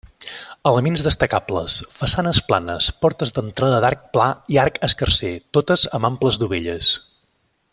Elements destacables: façanes planes, portes d'entrada d'arc pla i arc escarser, totes amb amples dovelles.